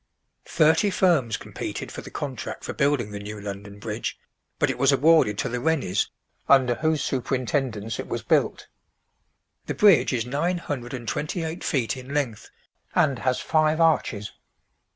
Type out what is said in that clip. Thirty firms competed for the contract for building the new London Bridge, but it was awarded to the Rennies, under whose superintendence it was built. The bridge is nine hundred and twenty eight feet in length, and has five arches.